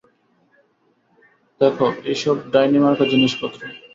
দেখ এসব ডাইনিমার্কা জিনিসপত্র।